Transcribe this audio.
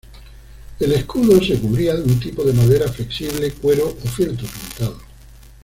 El escudo se cubría de un tipo de madera flexible, cuero o fieltro pintado.